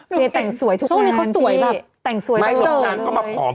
เจ๊แต่งสวยทุกวันนั้นพี่เฮะแต่งสวยกว่าเลยไหมโหน้ำก็มาผอม